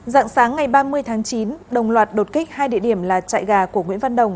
dạng sáng ngày ba mươi tháng chín đồng loạt đột kích hai địa điểm là chạy gà của nguyễn văn đồng